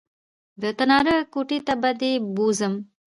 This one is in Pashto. د تناره کوټې ته دې بوځم